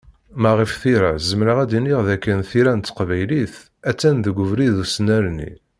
Ma ɣef tira, zemreɣ ad d-iniɣ d akken tira n teqbaylit, a-tt-an deg ubrid usnerni.